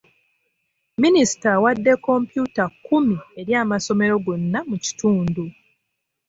Minisita awadde kompyuta kkumi eri amasomero gonna mu kitundu.